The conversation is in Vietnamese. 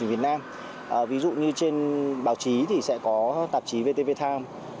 ví dụ như trên báo chí thì sẽ có tạp chí vtv time